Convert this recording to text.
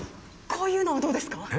こういうのはどうですか？